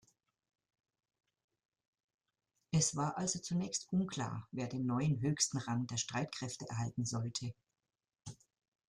Es war also zunächst unklar, wer den neuen höchsten Rang der Streitkräfte erhalten sollte.